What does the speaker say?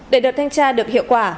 để đợt thanh tra được hiệu quả